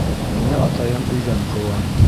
Мине атайың өйҙән ҡыуа.